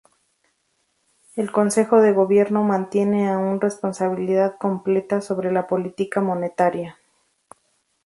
El consejo de gobierno mantiene aún responsabilidad completa sobre la política monetaria.